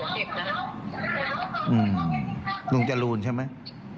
อืมลุงจรูลใช่ไหม